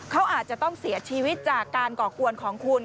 เขาอาจจะต้องเสียชีวิตจากการก่อกวนของคุณ